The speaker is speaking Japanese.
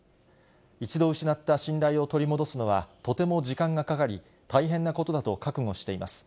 一度失った信頼を取り戻すのはとても時間がかかり、大変なことだと覚悟しています。